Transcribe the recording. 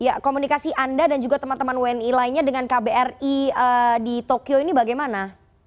ya komunikasi anda dan juga teman teman wni lainnya dengan kbri di tokyo ini bagaimana